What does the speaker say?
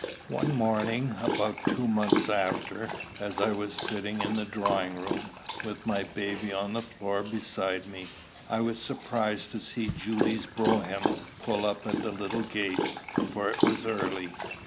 One morning, about two months after, as I was sitting in the drawing room, with my baby on the floor beside me, I was surprised to see Judy's brougham pull up at the little gate for it was early.